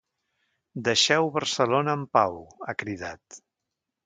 Deixeu Barcelona en pau!, ha cridat.